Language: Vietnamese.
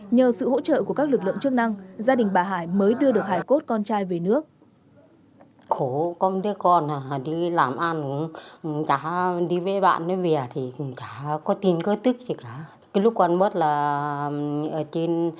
nhờ sự hỗ trợ của các lực lượng chức năng gia đình bà hải mới đưa được hải cốt con trai về nước